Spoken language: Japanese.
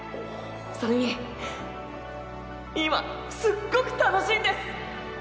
それに今すっごく楽しいんです！